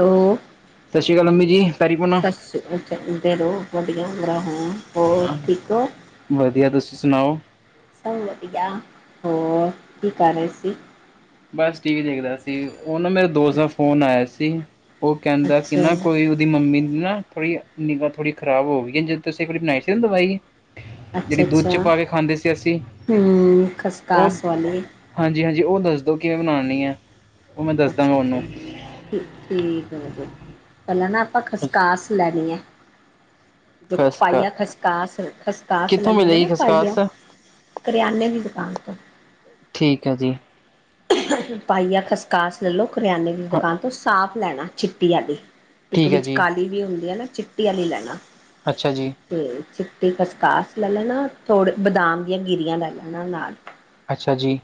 Hello. ਸਸ਼੍ਰੀ ਕਾਲ ਅੰਮੀ ਜੀ। ਪੈਰੀ ਪੁਣਾ ਸਸ਼੍ਰੀ ਕਾਲ, [unintelligible] ਹੋਰ ਵਦੀਆ ਹੋਰ ਠੀਕ ਓ? ਵਦੀਆ ਤੁਸੀਂ ਸੁਣਾਓ? ਸਬ ਵਦੀਆ ਹੋਰ ਕੀ ਕਰ ਰਏ ਸੀ? ਬਸ ਟੀ ਵੀ ਦੇਖਦਾ ਸੀ ਓਨੂੰ ਮੇਰੇ ਦੋਸਤ ਦਾ ਅੱਛਾ ਫੋਨ ਆਏਆ ਸੀ ਓ ਕੈਂਦਾ ਕਿ ਅੱਛਾ ਨਾ ਕੋਈ ਮੰਮੀ ਦੀ ਨਾ ਥੋੜੀ ਲੀਵਰ ਥੋੜੀ ਖਰਾਬ ਹੋ ਗਈ ਐ ਜੋ ਤੁਸੀਂ ਘਰੇ ਬਣਾਈ ਸੀ ਨਾ ਦਵਾਈ ਅੱਛਾ ਜੇੜੀ ਦੁੱਧ ਅੱਛਾ ਚ ਪਾ ਕੇ ਖਾਂਦੇ ਸੀ ਅਸੀਂ ਹਮ ਓ ਖਸਕਾਸ ਵਾਲੀ ਹਾਂਜੀ, ਹਾਂਜੀ ਓ ਦੱਸ ਦੋ ਕਿਵੇਂ ਬਨਾਨੀ ਐ? ਅੱਛਾ, ਅੱਛਾ ਠੀ ਠੀਕ ਹੈ ਵਦੀਆ ਪੈਲਾਂ ਨਾ ਖਸਕਾਸ ਲੈਣੀ ਐ। ਖਸਖਾ ਪਾਈਆ ਖਸਕਾਸ, ਖਸਕਾਸ ਲੈ ਕਿੱਥੋਂ ਲੂ ਗੇ ਮਿਲੇਗੀ ਨਾ ਪਾਈਆ। ਖਸਖਾਸ ਕਰਿਆਨੇ ਦੀ ਦੁਕਾਨ ਤੋਂ। ਠੀਕ ਐ ਜੀ। ਪਾਈਆ ਖਸਕਾਸ ਲੈ ਲੋ ਕਰਿਆਨੇ ਦੀ ਹਾਂ ਦੁਕਾਨ ਤੋਂ ਸਾਫ਼ ਲੈਣਾ ਚਿੱਟੀ ਆਲੀ। ਇੱਕ ਠੀਕ ਹੈ ਵਿੱਚ ਜੀ ਕਾਲੀ ਵੀ ਹੁੰਦੀ ਆ ਨਾ ਚਿੱਟੀ ਆਲੀ ਲੈਣਾ। ਅੱਛਾ ਜੀ। ਤੇ ਚਿੱਟੀ ਖਸਕਾਸ ਲੈ ਲੈਣਾ ਥੋੜ੍ਹੇ ਬਦਾਮ ਦੀਆਂ ਗਿਰੀਆਂ ਲੈ ਲੈਣਾ ਨਾਲ। ਅੱਛਾ ਜੀ।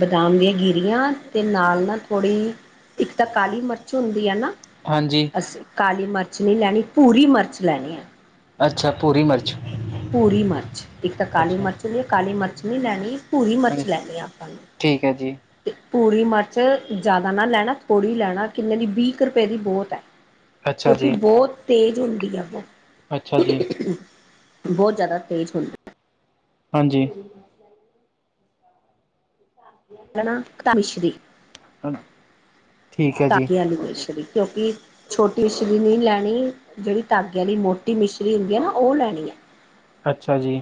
ਬਦਾਮ ਦੀਆ ਗੀਰੀਆਂ ਤੇ ਨਾਲ ਨਾ ਥੋੜ੍ਹੀ ਇੱਕ ਤਾ ਕਾਲੀ ਮਰਚ ਹੁੰਦੀ ਐ ਨਾ ਹਾਂਜੀ ਅਸੀ ਕਾਲੀ ਮਰਚ ਨਈ ਲੈਣੀ ਭੂਰੀ ਮਰਚ ਲੈਣੀ ਐ। ਅੱਛਾ ਭੂਰੀ ਮਰਚ। ਭੂਰੀ ਮਰਚ ਇੱਕ ਤਾਂ ਕਾਲੀ ਮਰਚ ਨੀ ਕਾਲੀ ਮਰਚ ਨੀ ਲੈਣੀ ਭੂਰੀ ਹਾਂਜੀ ਮਰਚ ਲੈਣੀ ਆ ਆਪਾਂ ਨੂੰ। ਠੀਕ ਐ ਜੀ। ਤੇ ਭੂਰੀ ਮਰਚ ਜ਼ਿਆਦਾ ਨਾ ਲੈਣਾ ਥੋੜ੍ਹੀ ਲੈਣਾ ਕਿੰਨੇ ਦੀ ਵੀਹ ਕ ਰੁਪਏ ਦੀ ਬੌਤ ਐ। ਅੱਛਾ ਕਿਉਂਕਿ ਜੀ, ਬੌਤ ਤੇਜ਼ ਹੁੰਦੀ ਆ ਵੋ ਅੱਛਾ ਜੀ, ਬੌਤ ਜ਼ਿਆਦਾ ਤੇਜ਼ ਹੁੰਦੀ ਹਾਂਜੀ। ਨਾ ਤਾ ਮਿਸ਼ਰੀ ਠੀਕ ਹੈ ਜੀ, ਧਾਗੇ ਆਲੀ ਮਿਸ਼ਰੀ ਕਿਉਂਕਿ ਛੋਟੀ ਮਿਸ਼ਰੀ ਨਈ ਲੈਣੀ ਜੇੜੀ ਧਾਗੇ ਆਲੀ ਮੋ ਟੀ ਮਿਸ਼ਰੀ ਹੁੰਦੀ ਐ ਨਾ ਓ ਲੈਣੀ ਐ। ਅੱਛਾ ਜੀ।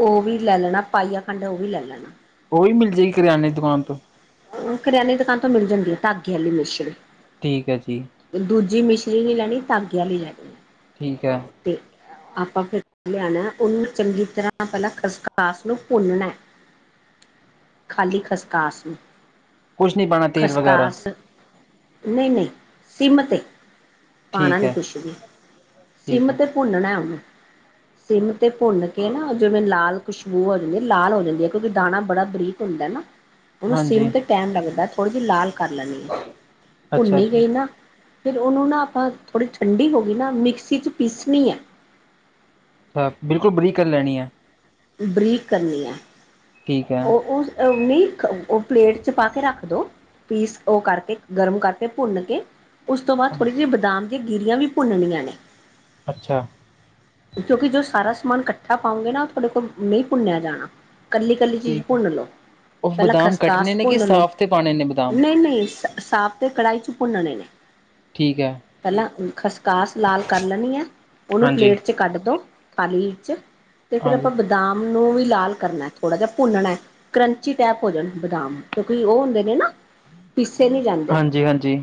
ਓ ਵੀ ਲੈ ਲੈਣਾ ਪਾਈਆ ਖੰਡ ਓ ਵੀ ਲੈ ਲੈਣਾ। ਓ ਵੀ ਮਿਲ ਜੇਗੀ ਕਰਿਆਨੇ ਦੀ ਦੁਕਾਨ ਤੋਂ? ਕਰਿਆਨੇ ਦੁਕਾਨ ਤੋਂ ਮਿਲ ਜਾਂਦੀ ਐ ਧਾਗੇ ਆਲੀ ਮਿਸ਼ਰੀ। ਠੀਕ ਐ ਜੀ। ਦੂਜੀ ਮਿਸ਼ਰੀ ਨੀ ਲੈਣੀ ਧਾਗੇ ਆਲੀ ਲੈਣੀ ਐ। ਠੀਕ ਐ। ਤੇ ਆਪਾਂ ਫੇਰ ਲਿਆਣਾ ਉਨੂੰ ਚੰਗੀ ਤਰ੍ਹਾਂ ਪੈਲਾਂ ਖਸਕਾਸ ਨੂੰ ਭੁੰਨਣੈ। ਖਾਲੀ ਖਸਕਾਸ ਨੂੰ। ਕੁਛ ਨਹੀਂ ਪਾਉਣਾ ਤੇਲ ਵਗੈਰਾ, ਖਸਕਾਸ ਨਈ ਨਈ ਸਿਮ ਤੇ ਪਾਣਾ ਠੀਕ ਨੀ ਹੈ, ਕੁਛ ਵੀ ਠੀਕ ਸਿਮ ਹੈ, ਤੇ ਭੁੰਨਣਾ ਏ ਉਨੂੰ ਸਿਮ ਤੇ ਭੁੰਨ ਕੇ ਨਾ ਜਿਵੇਂ ਲਾਲ ਖੁਸ਼ਬੂ ਹੋ ਜਾਂਦੀ ਐ ਲਾਲ ਹੋ ਜਾਂਦੀ ਐ ਕਿਉਂਕਿ ਦਾਣਾ ਬੜਾ ਬਰੀਕ ਹੁੰਦਾ ਏ ਨਾ। ਉਨੂੰ ਸਿਮ ਹਾਂਜੀ, ਤੇ ਟੈਮ ਲੱਗਦਾ ਥੋੜੀ ਜਿ ਲਾਲ ਕਰ ਲੈਣੀ ਐ ਅੱਛਾ ਭੁੰਨੀ ਜੀ। ਗਈ ਨਾ ਫੇਰ ਉਨੂੰ ਨਾ ਆਪਾਂ ਥੋੜ੍ਹੀ ਠੰਡੀ ਹੋ ਗਈ ਨਾ ਮਿਕਸੀ ਚ ਪੀਸਣੀ ਐ। ਆ ਬਿਲਕੁਲ ਬਰੀਕ ਕਰ ਲੈਣੀ ਐ? ਬਰੀਕ ਕਰਨੀ ਐ। ਠੀਕ ਐ। ਓ ਉਸ ਅ ਨੀ ਓ ਪਲੇਟ ਚ ਪਾ ਕੇ ਰੱਖਦੋ। ਪੀਸ ਓ ਕਰਕੇ ਗਰਮ ਕਰਕੇ ਭੁੰਨ ਕੇ ਉਸ ਤੋਂ ਬਾਅਦ ਥੋੜ੍ਹੀ ਜੀ ਬਾਦਾਮ ਦੀ ਗਿਰੀਆਂ ਵੀ ਭੁੰਨਣੀਆਂ ਨੇ। ਅੱਛਾ। ਕਿਉਂਕਿ ਜੋ ਸਾਰਾ ਸਮਾਨ ਕੱਠਾ ਪਾਉਂਗੇ ਨਾ, ਓ ਥੋਡੇ ਕੋਲ ਨਈਂ ਭੁੰਨਿਆ ਜਾਣਾ ਕੱਲੀ-ਕੱਲੀ ਚੀਜ਼ ਠੀਕ ਹੈ। ਭੁੰਨ ਲੋ, ਉਹ ਪੈਲਾਂ ਬਦਾਮ ਕੱਟਣੇ ਖਸਕਾਸ ਨੇ ਕਿ ਭੁੰਨ ਲੋ, ਸਾਫ਼ ਤੇ ਪਾਉਣੇ ਨੇ ਬਦਾਮ, ਨਈਂ ਨਈਂ ਸਾ ਸਾਫ਼ ਤੇ ਕੜਾਈ ਚ ਭੁੰਨਣੇ ਨੇ। ਠੀਕ ਐ। ਪੈਲਾਂ ਖਸਕਾਸ ਲਾਲ ਕਰ ਲੈਣੀ ਐ, ਓਨੂੰ ਹਾਂਜੀ। ਪਲੇਟ ਚ ਕੱਢ ਦੋ ਥਾਲੀ ਵਿੱਚ ਤੇ ਫੇਰ ਹਾਂਜੀ, ਆਪਾਂ ਬਾਦਾਮ ਨੂੰ ਵੀ ਲਾਲ ਕਰਨਾ, ਥੋੜ੍ਹਾ ਜਿਆ ਭੁੰਨਣਾ। ਕਰੰਚੀ ਟੈਇਪ ਹੋੋਜਨ ਬਾਦਾਮ ਕਿਉਂਕਿ ਓ ਹੁੰਦੇ ਨੇ ਨਾ ਪੀਸੇ ਨਈਂ ਜਾਂਦੇ। ਹਾਂਜੀ, ਹਾਂਜੀ,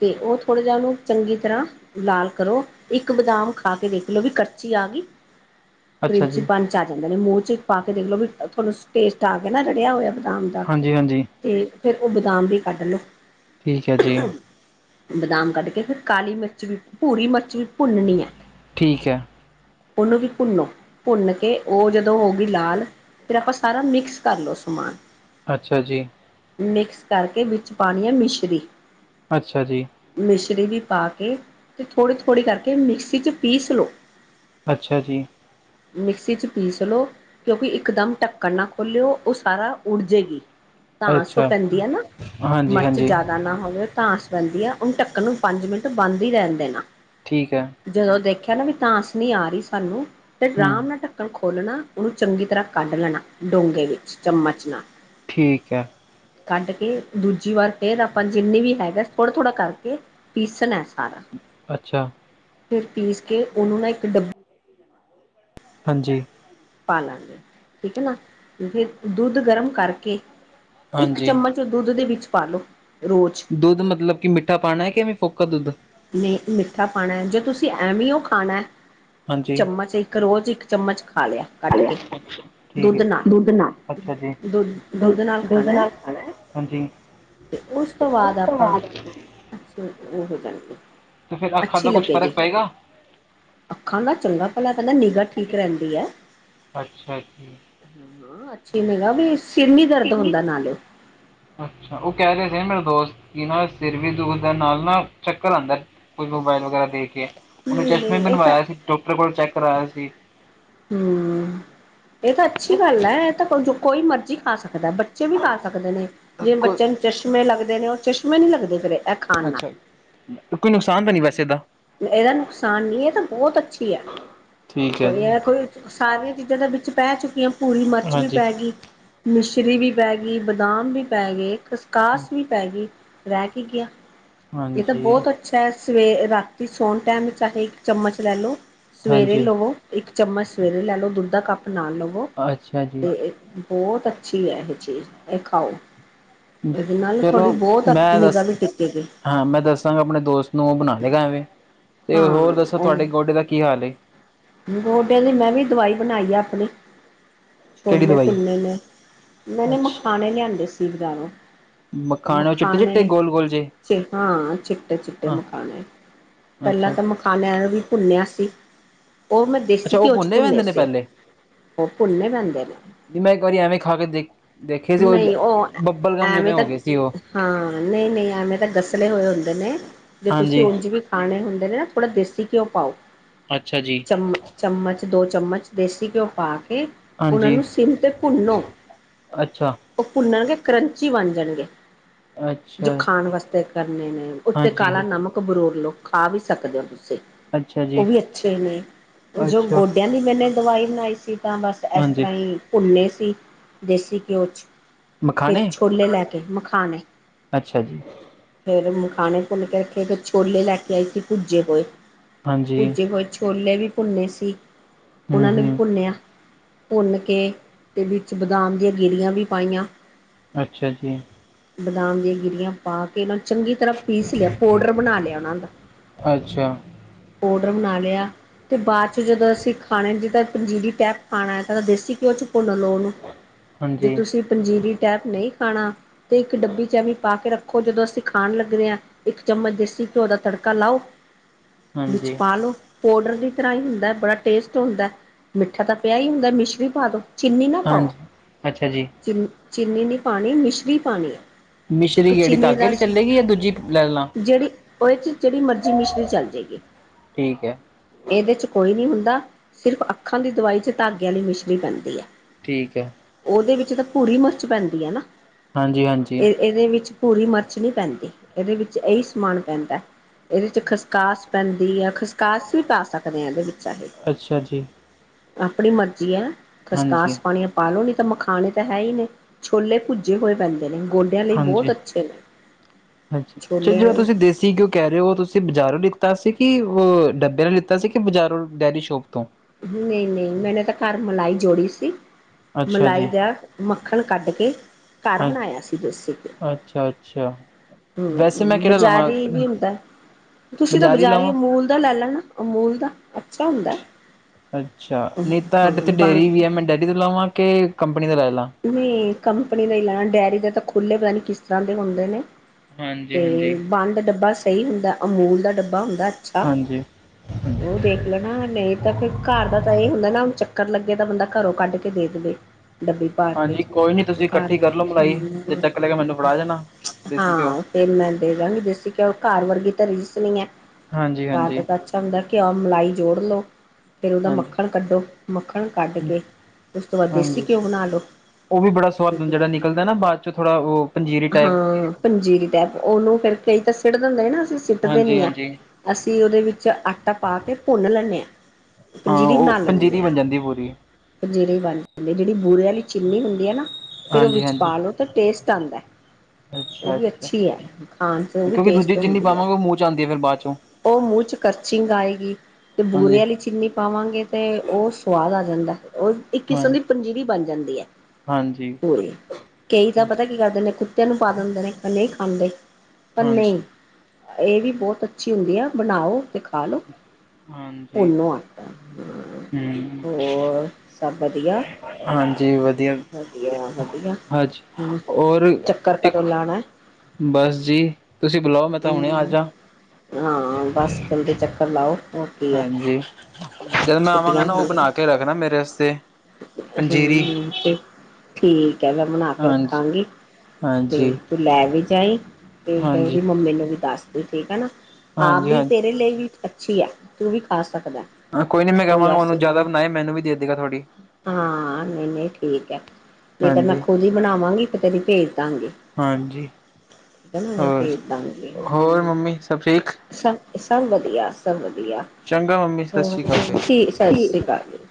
ਤੇ ਓ ਥੋੜ੍ਹਾ ਜਿਆ ਓਨੂੰ ਚੰਗੀ ਤਰ੍ਹਾਂ ਲਾਲ ਕਰੋ, ਇੱਕ ਬਦਾਮ ਖਾ ਕੇ ਦੇਖ ਦੇਖਲੋ ਵੀ ਕਰਚੀ ਆ ਗਈ, ਅੱਛਾ ਕਰੰਚੀ ਜੀ, ਪਣ ਚ ਆ ਜਾਂਦੇ ਨਾ ਮੂੰਹ ਵਿੱਚ ਚ ਪਾ ਕੇ ਦੇਖਲੋ ਵੀ ਟੇਸਟ ਆ ਗਿਆ ਨਾ ਰੜਿਆ ਹੋਇਆ ਬਾਦਾਮ ਹਾਂਜੀ ਹਾਂਜੀ। ਤੇ ਫੇਰ ਉਹ ਬਾਦਾਮ ਵੀ ਕੱਢ ਲੇ। ਠੀਕ ਐ ਜੀ। ਬਾਦਾਮ ਕੱਢ ਕੇ ਫੇਰ ਕਾਲੀ ਮਿਰਚ ਵੀ, ਭੂਰੀ ਮਿਰਚ ਵੀ ਭੁੰਨਣੀ ਐ। ਠੀਕ ਹੈ, ਓਨੂੰ ਵੀ ਭੁੰਨੋ, ਭੁੰਨ ਕੇ ਓ ਜਦੋਂ ਹੋਗੀ ਲਾਲ ਫੇਰ ਆਪਾਂ ਸਾਰਾ ਮਿਕਸ ਕਰ ਲੋ ਸਮਾਨ। ਅੱਛਾ ਜੀ। ਮਿਕਸ ਕਰਕੇ ਵਿੱਚ ਪਾਣੀ ਐ ਮਿਸ਼ਰੀ। ਅੱਛਾ ਜੀ। ਮਿਸ਼ਰੀ ਵੀ ਪਾ ਕੇ ਤੇ ਥੋੜ੍ਹੀ-ਥੋੜ੍ਹੀ ਕਰਕੇ ਮਿਕਸੀ ਚ ਪੀਸ ਲੋ। ਅੱਛਾ ਜੀ। ਮਿਕਸੀ ਚ ਪੀਸ ਲੋ ਕਿਉਂਕਿ ਇੱਕਦਮ ਢੱਕਣ ਨਾ ਖੋਲ੍ਹਿਓ, ਓ ਸਾਰਾ ਉੱਡ ਜੇਗੀ। ਤਾਂਸ ਓ ਅੱਛਾ ਪੈਂਦੀ ਐ ਨਾ, ਮਿਰਚ ਹਾਂਜੀ-ਹਾਂਜੀ ਜਿਆਦਾ ਨਾ ਹੋਵੇ। ਤਾਂਸ ਰੈਂਦੀ ਐ। ਉਨੂੰ ਢੱਕਣ ਨੂੰ ਪੰਜ ਮਿੰਟ ਬੰਦ ਈ ਰੈਣ ਦੇਣਾ। ਠੀਕ ਐ। ਜਦੋਂ ਦੇਖਿਆ ਨਾ ਵੀ ਤਾਂਸ ਨੀਂ ਆ ਰੀ ਸਾਨੂੰ। ਤੇ ਹੂੰ ਰਾਮ ਨਾਂ ਢੱਕਣ ਖੋਲਣਾ ਉਨੂੰ ਚੰਗੀ ਤਰ੍ਹਾਂ ਕੱਢ ਲੈਣਾ ਡੋਂਗੇੇ ਵਿੱਚ, ਚਮਚ ਨਾਲ। ਠੀਕ ਐ। ਕੱਢ ਕੇ ਦੂਜੀ ਵਾਰ ਫੇਰ ਆਪਾਂ ਜਿੰਨੀ ਵੀ ਹੈਗਾ ਥੋੜ੍ਹਾ-ਥੋੜ੍ਹਾ ਕਰਕੇ ਪੀਸਣਾਂ ਐ ਸਾਰਾ। ਅੱਛਾ। ਫਿਰ ਪੀਸ ਕੇ ਓਨੂੰ ਨਾ ਇੱਕ ਡੱਬ ਹਾਂਜੀ। ਪਾ ਲਾਂਗੇ। ਠੀਕ ਐ ਨਾ, ਫਿਰ ਦੁੱਧ ਗਰਮ ਕਰਕੇ ਇੱਕ ਹਾਂਜੀ, ਚਮਚ ਤੇ ਦੁੱਧ ਦੇ ਵਿੱਚ ਪਾਲੋ, ਰੋਜ਼। ਦੁੱਧ ਮਤਲਬ ਕਿ ਮਿੱਠਾ ਪਾਣਾ ਕੇ ਫੋਕਾ ਦੁੱਧ? ਨਈਂ, ਮਿੱਠਾ ਪਾਣਾ, ਜੇ ਤੁਸੀਂ ਐਵੇਂ ਓ ਖਾਣਾ ਹਾਂਜੀ। ਚਮਚ ਇੱਕ ਰੋਜ਼ ਇੱਕ ਚਮਚ ਖਾ ਲਿਆ, ਕੱਢ ਕੇ ਠੀਕ ਹੈ, ਦੁੱਧ ਨਾ। ਨਾਲ। ਅੱਛਾ ਜੀ। ਦੁੱਧ, ਦੁੱਧ ਨਾਲ ਖਾਣਾ। ਤੇ ਉਸ ਤੋਂ ਬਾਅਦ ਆਪਾਂ ਅੱਛਾ, ਓਦੇ ਕਰਕੇ। ਤੇ ਫੇਰ ਅੱਖਾਂ ਅੱਛੀ ਦਾ ਕੁਛ ਲੱਗੇਗੀ। ਫ਼ਰਕ ਪਏਗਾ, ਅੱਖਾਂ ਦਾ ਚੰਗਾ ਭਲਾ ਕੈਂਦੇ ਨਿਗਾਅ ਠੀਕ ਰੈਂਦੀ ਐ। ਹਂ। ਅੱਛੇ ਨਿਗਾਅ ਵੀ। ਸਿਰ ਨੀਂ ਦਰਦ ਚੰਗੀ ਹੁੰਦਾ ਤਰ੍ਹਾਂ ਨਾਲ। ਅੱਛਾ, ਓ ਕੈ ਰਹੇ ਸੀ ਮੇਰਾ ਦੋਸਤ ਕਿ ਨਾ ਸਿਰ ਵੀ ਦੁੱਖ ਦਾ ਨਾਲ ਨਾ ਚੱਕਰ ਆਂਦਾ। ਕੁਝ ਮੋਬਾਇਲ ਵਗੈਰਾ ਦੇਖ ਕੇ। ਉਹਨੇ ਨਹੀਂ ਚਸ਼ਮੇ ਨਹੀਂ ਇਹ ਤਾਂ ਬਣਵਾਇਆ ਸੀ। ਡਾਕਟਰ ਕੋਲ ਚੈੱਕ ਕਰਵਾਇਆ ਸੀ। ਹੂੰ, ਏ ਤਾਂ ਅੱਛੀ ਗੱਲ ਐ ਏ ਤਾਂ ਕੋਈ ਕੋਈ ਮਰਜੀ ਖਾ ਸਕਦਾ। ਬੱਚੇ ਵੀ ਖਾ ਸਕਦੇ ਨੇ। ਜਿਵੇਂ ਕੋਈ ਬੱਚਿਆਂ ਨੂੰ ਚਸ਼ਮੇ ਲੱਗਦੇ ਨੇ ਓ ਚਸ਼ਮੇ ਨੀ ਲੱਗਦੇ ਫਿਰ ਏ ਖਾਣ ਨਾਲ। ਅੱਛਾ ਕੋਈ ਨੁਕਸਾਨ ਤਾਂ ਨਹੀਂ ਵੈਸੇ ਇਹਦਾ? ਏਦਾ ਨੁਕਸਾਨ ਨੀ ਏ ਤਾਂ ਬਹੁਤ ਅੱਛੀ ਐ ਠੀਕ ਹੈ ਕੋਈ ਜੀ। ਏ ਸਾਰੀਆਂ ਚੀਜ਼ਾਂ ਦੇ ਵਿੱਚ ਪੈ ਚੁੱਕੀਆਂ। ਭੂਰੀ ਮਿਰਚ ਵੀ ਹਾਂਜੀ। ਪੈ ਗੀ। ਮਿਸ਼ਰੀ ਵੀ ਪੈ ਗੀ। ਬਦਾਮ ਵੀ ਪੈ ਗੇ ਖਸ ਕਾਸ ਵੀ ਪੈ ਗੀ ਰਹਿ ਕੀ ਗਿਆ? ਇਹ ਤਾਂ ਹਾਂਜੀ, ਬੋਤ ਅੱਛਾ, ਸਵੇ ਰਾਤੀ ਸੌਣ ਟਾਈਮ ਚਾਹੇ ਇੱਕ ਚਮਚ ਲੈ ਲੋ ਸਵੇਰੇ ਹਾਂਜੀ, ਲਵੋ ਇੱਕ ਚਮਚ ਸਵੇਰੇ ਲੈ ਲੋ ਦੁੱਧਾ ਕੱਪ ਨਾਲ ਲਵੋ ਅੱਛਾ ਜੀ। ਤੇ ਬੋਤ ਅੱਛੀ ਐ ਇਹ ਚੀਜ਼ ਏ ਖਾਓ। ਏਦੇ ਨਾਲ ਥੋਡੀ ਚਲੋ ਬੋਤ ਅ ਮੈਂ ਨਿਗਾਹ ਦੱਸ ਵੀ ਟਿੱ ਹਾਂ, ਮੈਂ ਦੱਸਾਂਗਾ ਆਪਣੇ ਦੋਸਤ ਨੂੰ ਓ ਬਣਾ ਲੇਗਾ ਐਵੇਂ। ਤੇ ਹਾਂ ਹੋਰ ਦੱਸੋ ਤੁਹਾਡੇ ਗੋਡੇ ਦਾ ਕੀ ਹਾਲ ਏ? ਗੋਡੇ ਦੀ ਮੈਂ ਵੀ ਦਵਾਈ ਬਣਾਈ ਆ ਆਪਣੀ। ਕਿਹੜੀ ਛੋਲੇ ਦਵਾਈ? ਭੁੰਨੇ ਨੇ। ਮੈਨੇ ਅੱਛਾ, ਮਖਾਣੇ ਲਿਆਂਦੇ ਸੀ ਬਜਾਰੋ। ਉਹ ਚਿੱਟੇ-ਚਿੱਟੇ ਮਖਾਣੇ, ਗੋਲ-ਗੋਲ ਜੇ? ਹਾਂ ਚਿੱਟੇ ਚਿੱਟੇ ਹਾਂ, ਮਖਾਣੇ। ਅੱਛਾ। ਖਾਣੇ ਆਲਾ ਵੀ ਭੁੰਨਿਆ ਸੀ। ਓ ਮੈਂ ਦੇਸੀ ਅੱਛਾ ਉਹ ਘਿਓ ਚ ਭੁੰਨੇ ਰਹਿੰਦੇ ਨੇ ਸੀ। ਪਹਿਲੇ? ਉਹ ਭੁੰਨੇ ਪੈਂਦੇ ਨੇ। ਮੈਂ ਇੱਕ ਵਾਰੀ ਐਵੇਂ ਖਾ ਕੇ ਦੇਖ ਦੇਖੇ ਸੀ ਓ ਨਹੀਂ ਉਹ ਬੱਬਲ ਗਾਮ ਜਿਵੇਂ ਐਵੇਂ ਤਾਂ ਹੋਗੇ ਸੀ ਓ। ਹਾਂ, ਨਈ ਨਈ ਐਵੇਂ ਤਾਂ ਗਸਲੇ ਹੋਏ ਹੁੰਦੇ ਨੇ ਜੇ ਤੁਸੀਂ ਹਾਂਜੀ। ਉਂਝ ਵੀ ਖਾਣੇ ਹੁੰਦੇ ਨੇ ਨਾ ਥੋੜ੍ਹਾ ਦੇਸੀ ਘਿਓ ਪਾਓ। ਅੱਛਾ ਜੀ। ਚਮ ਚਮਚ ਦੋ ਚਮਚ ਦੇਸੀ ਘਿਓ ਪਾ ਕੇ ਓਨਾਂ ਹਾਂਜੀ ਨੂੰ ਸਿਮ ਤੇ ਭੁੰਨੋ, ਅੱਛਾ ਓ ਭੁੰਨਣਗੇ ਕਰੰਚੀ ਬਣ ਜਾਨਗੇ। ਅੱਛਾ ਜੋ ਖਾਣ ਵਾਸਤੇ ਕਰਨੇ ਨੇ ਉੱਤੇ ਹਾਂਜੀ ਕਾਲਾ ਨਮਕ ਬਰੂਰ ਲੋ। ਖਾ ਵੀ ਸਕਦੇ ਓ ਤੁਸੀਂ। ਅੱਛਾ ਜੀ। ਉਹ ਵੀ ਅੱਛੇ ਜੋ ਅੱਛਾ ਗੋਡਿਆਂ ਲਈ ਮੈਨੇ ਦਵਾਈ ਬਣਾਈ ਸੀ, ਤਾਂ ਬਸ ਏਸ ਹਾਂਜੀ ਤਰ੍ਹਾਂ ਹੀ ਭੁੰਨੇ ਸੀ ਦੇਸੀ ਘਿਓ ਚ। ਤੇ ਮਖਾਣੇ ਛੋਲੇ ਲੈ ਕੇ ਮਖਾਣੇ ਅੱਛਾ ਜੀ ਫੇਰ ਮਖਾਣੇ ਭੁੰਨ ਕੇ ਰੱਖੇ, ਫੇਰ ਛੋਲੇ ਲੈ ਕੇ ਆਈ ਸੀ ਭੁੱਜੇ ਹੋਏ, ਹਾਂਜੀ ਭੁੱਜੇ ਹੋਏ ਛੋਲੇ ਵੀ ਭੁੰਨੇ ਸੀ, ਹੂੰ ਓਨਾਂ ਨੂੰ ਵੀ ਹੂੰ ਭੁੰਨਿਆ। ਭੁੰਨ ਕੇ, ਤੇ ਵਿੱਚ ਬਦਾਮ ਦੀਆਂ ਗਿਰੀਆਂ ਵੀ ਪਾਈਆਂ। ਅੱਛਾ ਜੀ। ਬਦਾਮ ਦੀਆ ਗਿਰੀਆਂ। ਪਾ ਕੇ ਇਨਾਂ ਨੂੰ ਚੰਗੀ ਤਰ੍ਹਾਂ ਪੀਸ ਲਿਆ ਪੋਡਰ ਬਣਾ ਲਿਆ ਓਨਾਂ ਦਾ। ਅੱਛਾ ਪੋਡਰ ਬਣਾ ਲਿਆ, ਤੇ ਬਾਂਚੋ ਜਦੋਂ ਅਸੀਂ ਖਾਣੇ ਜਿੱਦਾਂ ਪੰਜੀਰੀ ਟੈਪ ਖਾਣਾ ਐ ਤਾਂ ਦੇਸੀ ਘਿਓ ਚ ਭੁੰਨ ਲੋ ਉਹਨੂੰ, ਜੇ ਹਾਂਜੀ ਤੁਸੀਂ ਪੰਜੀਰੀ ਟੈਪ ਨਹੀਂ ਖਾਣਾ ਤੇ ਇੱਕ ਡੱਬੀ ਚ ਐਵੀਂ ਪਾ ਕੇ ਰੱਖੋ। ਜਦੋਂ ਅਸੀਂ ਖਾਣ ਲੱਗਦੇ ਆ, ਇੱਕ ਚਮਚ ਦੇਸੀ ਘਿਓ ਦਾ ਤੜਕਾ ਲਾਓ ਵਿੱਚ ਹਾਂਜੀ ਪਾ ਲੋ ਪੋਡਰ ਦੀ ਤਰ੍ਹਾਂ ਈ ਹੁੰਦਾ ਬੜਾ ਟੇਸਟ ਹੁੰਦਾ। ਮਿੱਠਾ ਤਾਂ ਪਿਆ ਈ ਹੁੰਦਾ, ਮਿਸ਼ਰੀ ਪਾ ਦੋ, ਚੀਨੀ ਨਾ ਪਾਓ। ਹਾਂਜੀ ਅੱਛਾ ਜੀ। ਚੀਨੀ ਨਈ ਪਾਨੀ, ਮਿਸ਼ਰੀ ਪਾਣੀ ਏ। ਤੁ ਮਿਸ਼ਰੀ ਕਿਹੜੀ ਚੀਨੀ ਧਾਗੇ ਆਲੀ ਦੱਸ, ਚੱਲੇਗੀ ਜਾਂ ਦੂਜੀ ਲੈ ਲਾਂ ਜਿਹੜੀ ਉਹ ਚ ਜਿਹੜੀ ਮਰਜ਼ੀ ਮਿਸ਼ਰੀ ਚੱਲ ਜਾਏਗੀ ਗਈ। ਹ [inaudible] ਠੀਕ ਹੈ। ਇਹਦੇ ਚ ਕੋਈ ਨਈ ਹੁੰਦਾ, ਸਿਰਫ਼ ਅੱਖਾਂ ਦੀ ਦਵਾਈ ਚ ਧਾਗੇ ਵਾਲੀ ਮਿਸ਼ਰੀ ਪੈਂਦੀ ਹੈ। ਠੀਕ ਹੈ। ਉਹਦੇ ਵਿੱਚ ਤਾਂ ਭੂਰੀ ਮਰਚ ਪੈਂਦੀ ਹੈ ਨਾ। ਹਾਂਜੀ, ਹਾਂਜੀ। ਇਹ ਇਹਦੇ ਵਿੱਚ ਭੂਰੀ ਮਰਚ ਨਈ ਪੈਂਦੀ। ਇਹਦੇ ਵਿੱਚ ਇਹੀ ਸਮਾਨ ਪੈਂਦਾ। ਇਹਦੇ ਚ ਖਸਕਾਸ ਪੈਂਦੀ ਹੈ। ਖਸਕਾਸ ਵੀ ਪਾ ਸਕਦੇ ਹਾਂ ਇਹਦੇ ਵਿੱਚ ਚਾਹੇ, ਅੱਛਾ ਜੀ ਆਪਣੀ ਮਰਜ਼ੀ ਹੈ। ਹਾਂਜੀ ਖਸਕਾਸ ਪਾਣੀ ਏ ਪਾ ਲੋ, ਨੀ ਤਾਂ ਮਖਾਣੇ ਤਾਂ ਹੈ ਹੀ ਨੇ, ਛੋਲੇ ਭੁੱਜੇ ਹੋਏ। ਗੋਡੀਆਂ ਲਈ ਬਹੁਤ ਹਾਂਜੀ ਅੱਛੇ ਨੇ, ਹਾਂਜੀ। ਚਲ ਛੋਲੇ। ਜਿਹੜਾ ਤੁਸੀਂ ਦੇਸੀ ਘਿਓ ਕਹਿ ਰਹੇ ਹੋ ਤੁਸੀਂ ਬਜ਼ਾਰੋਂ ਲਿੱਤਾ ਸੀ, ਕਿ ਉਹ ਡੱਬੇ ਆਲਾ ਲਿੱਤਾ ਸੀ, ਕਿ ਬਜ਼ਾਰੋਂ ਡੇਅਰੀ ਸ਼ੋਪ ਤੋਂ? ਨਹੀਂ ਨਹੀਂ, ਮੈਨੇ ਤਾਂ ਘਰ ਮਲਾਈ ਜੋੜੀ ਸੀ। ਅੱਛਾ ਮਲਾਈ ਜੀ ਦਾ ਮੱਖਣ ਕੱਢ ਕੇ ਘਰ ਬਣਾਇਆ ਸੀ ਦੇਸੀ ਘਿਉ। ਅੱਛਾ ਅੱਛਾ ਵੈਸੇ ਮੈਂ ਹੂ ਕਿਹੜਾ ਲਵਾਂ ਬਜ਼ਾਰੀ ਵੀ ਹੁੰਦਾ, ਤੁਸੀਂ ਤਾਂ ਬਜ਼ਾਰੀ ਅਮੂਲ ਦਾ ਲੈ ਲੈਣਾ। ਅਮੂਲ ਦਾ ਅੱਛਾ ਹੁੰਦਾ। ਅੱਛਾ, ਨਹੀਂ ਤਾਂ ਅਡ ਤੇ ਹਾਂ ਬਣ ਡੇਅਰੀ ਵੀ ਹੈ। ਮੈਂ ਡੇਅਰੀ ਤੋਂ ਲਵਾ ਕੇ ਕੰਪਨੀ ਦਾ ਲੈ ਲਾਂ। ਨੀ, ਕੰਪਨੀ ਦਾ ਹੀ ਲੈਣਾ। ਡੇਅਰੀ ਦੇ ਤਾਂ ਖੁੱਲ੍ਹੇ ਪਤਾ ਨੀ ਕਿਸ ਤਰ੍ਹਾਂ ਦੇ ਹੁੰਦੇ ਨੇ। ਹਾਂਜੀ ਤੇ ਹਾਂਜੀ। ਬੰਦ ਡੱਬਾ ਸਹੀ ਹੁੰਦਾ, ਅਮੂਲ ਦਾ ਡੱਬਾ ਹੁੰਦਾ। ਅੱਛਾ, ਹਾਂਜੀ ਉਹ ਦੇਖ ਲੈਣ। ਨਹੀਂ ਤਾਂ ਫਿਰ ਘਰ ਦਾ ਤਾਂ ਅਹੀ ਹੁੰਦਾ ਨਾ? ਹੁਣ ਚੱਕਰ ਲੱਗੇ ਤਾਂ ਬੰਦਾ ਘਰੋਂ ਕੱਢ ਕੇ ਦੇ ਦੇਵੇ ਡੱਬੀ। ਭਾਂਡੇ ਹਾਂਜੀ ਦੇ ਕੋਈ ਨੀ ਤੁਸੀਂ ਵਿੱਚ ਇਕੱਠੀ ਕਰ ਲਓ ਮਲਾਈ ਜੇ ਘਰਦੇ ਚੱਕ ਲੈ ਕੇ ਮੈਨੂੰ ਫੜਾ ਜਾਣਾ ਦੇਸੀ ਘਿਓ ਹਾਂ ਫਿਰ ਮੈਂ ਦੇ ਦਾਂਗੀ ਦੇਸੀ ਘਿਉ, ਘਰ ਵਰਗੀ ਤਾਂ ਰੀਸ ਨਹੀਂ ਹੈ। ਹਾਂਜੀ, ਹਾਂਜੀ। ਹਾ ਤਾਂ ਅੱਛਾ ਹੁੰਦਾ, ਘਿਉ-ਮਲਾਈ ਜੋੜ ਲੋ। ਫਿਰ ਉਹਦਾ ਹਾਂਜੀ ਮੱਖਣ ਕੱਢੋ, ਮੱਖਣ ਕੱਢ ਕੇ ਉਸ ਤੋ ਬਾਅਦ ਦੇਸੀ ਹਾਂਜੀ। ਘਿਓ ਬਣਾ ਲੳ। ਉਹ ਵੀ ਬੜਾ ਸੁਆਦ ਜਿਹੜਾ ਨਿਕਲਦਾ ਨਾ, ਬਾਅਦ ਚੋਂ ਥੋੜ੍ਹਾ ਉਹ ਪੰਜੀਰੀ ਟੈਪ। ਹਾਂ ਪੰਜੀਰੀ ਟੈਪ, ਉਹਨੂੰ ਫਿਰ ਕਈ ਤਾਂ ਸਿੱਟ ਦਿੰਦੇ ਨਾ ਅਸੀਂ ਸਿੱਟਦੇ ਹਾਂਜੀ ਨੀ ਆ। ਹਾਂਜੀ ਅਸੀਂ ਉਦੇ ਵਿੱਚ ਆਟਾ ਪਾ ਕੇ ਭੁੰਨ ਲੈਂਣੇ ਆ। ਹਾਂ ਪੰਜੀਰੀ ਉਹ ਬਣਾ ਲੈਂਣੇ ਪੰਜੀਰੀ ਆ। ਬਣ ਜਾਂਦੀ ਪੂਰੀ ਪੰਜੀਰੀ ਬਣ ਜਾਂਦੀ ਜਿੜੀ ਬੂੁਰੇ ਅਲੀ ਚੀਨੀ ਹੁੰਦੀ ਏ ਨਾ ਫੇਰ ਉਹ ਹਾਂਜੀ ਵਿੱਚ ਹਾਂਜੀ ਪਾ ਲਓ ਤੇ ਟੇਸਟ ਆਣਦਾ। ਉਹ ਅੱਛਾ ਵੀ ਅੱਛਾ ਅੱਛੀ ਹੈ ਖਾਣ 'ਚ ਉਹ ਵੀ ਕਿਉਂਕਿ ਟੇਸਟ ਦੂਜੀ ਜਿੰਨੀ ਹੁੰਦੀ ਹੈ। ਪਾਵਾਂਗੇ ਉਹ ਮੂੰਹ ਚ ਆਉਂਦੀ ਹੈ ਫਿਰ ਬਾਅਦ ਚੋਂ ਉਹ ਮੂੰਹ ਚ ਕਰਚਿੰਗ ਆਏਗੀ, ਤੇ ਹਾਂਜੀ ਬੂਰੇ ਅਲੀ ਚੀਨੀ ਪਾਵਾਂਗੇ ਤੇ ਉਕ ਸਵਾਦ ਆ ਜਾਦਾ ਉਹ ਇੱਕ ਕਿਸਮ ਹਾਂਜੀ ਦੀ ਪੰਜੀਰੀ ਬਣ ਜਾਂਦੀ ਏ। ਹਾਂਜੀ। ਕਈ ਤਾਂ ਪਤਾ ਕੀ ਕਰਦੇ ਨੇ ਕੁੱਤਿਆਂ ਨੂੰ ਪਾ ਦਂਦੇ ਨੇ ਨਈ ਖਾਂਦੇ। ਪਰ ਹਾਂਜੀ ਨਹੀਂ ਏ ਵੀ ਬਹੁਤ ਅੱਛੀ ਹੁੰਦੀ ਆ ਬਣਾਓ ਤੇ ਖਾ ਲਓ। ਹਾਂਜੀ ਭੁੰਨੋ ਆਟਾ ਹੂ। ਹੋਰ ਸਭ ਵਧੀਆ ਹਾਂਜੀ ਵਧੀਆ ਵਧੀਆ ਵਧੀਆ ਹਾਂਜੀ। ਹਮ ਔਰ ਚੱਕਰ ਇੱਕ ਕਦੋਂ ਲਾਣਾ ਬਸ ਜੀ ਤੁਸੀਂ ਬੁਲਾਓ ਮੈਂ ਤਾਂ ਹੁਣੇ ਆ ਹਮ ਜਾ। ਹਾਂ ਬਸ ਜਲਦੀ ਚਕਰ ਲਾੳ। ਹਾਂਜੀ, ਜਦ ਮੈਂ ਆਵਾਂਗਾ ਨਾ, ਓ ਬਣਾ ਕੇ ਰੱਖਣਾ ਮੇਰੇ ਅਸਤੇ। ਹਮ ਤੇ ਠੀਕ ਐ, ਮੈਂ ਬਨਾ ਕੇ ਹਾਂਜੀ ਰਖਾਂਗੀ। ਤੇ ਹਾਂਜੀ ਤੂੰ ਲੈ ਵੀ ਜਾਈ, ਤੇ ਹਾਂਜੀ ਓਦੀ ਮੰਮੀ ਨੂੰ ਵੀ ਦੱਸ ਤੇ ਠੀਕ ਏ ਨਾ, ਆਪ ਹਾਂਜੀ ਵੀ ਹਾਂਜੀ ਤੇਰੇ ਲਈ ਵੀ ਅੱਛੀ ਏ, ਤੂੰ ਵੀ ਖਾ ਸਕਦਾ। ਨੀ ਮੈਂ ਕੋਈ ਕਵਾਂਗਾ ਆਸੇ ਉਹਨੂੰ ਪਾ ਜ਼ਿਆਦਾ ਬਣਾਏ ਮੈਨੂੰ ਵੀ ਦੇ ਦੇਗਾ ਥੋੜ੍ਹੀ ਹਾਂ ਨਹੀਂ ਨਹੀਂ। ਠੀਕ ਹੈ, ਨਹੀਂ ਤੇ ਮੈਂ ਹਾਂਜੀ ਖੁਦ ਇ ਬਣਾਵਾਂਗੀ, ਫੇਰ ਤੇਨੂੰ ਪੇਜ ਦਾਂਗੀ। ਹਾਂਜੀ ਕਿਆ ਨਾ ਮੈਂ ਹੋਰ ਪੇਜ ਦਾਂਗੀ। ਹੋਰ ਮੰਮੀ ਸਭ ਠੀਕ ਸਭ-ਸਭ ਵਧੀਆ, ਸਭ ਵਧੀਆ, ਚੰਗਾ ਮੰਮੀ ਸਤਿ ਹਮ ਸ਼੍ਰੀ ਅਕਾਲ ਫਿਰ। ਠੀ ਠੀਕ ਸਾਸਰੀ ਕਾਲ ਜੀ।